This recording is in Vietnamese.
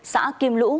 xã kim lũ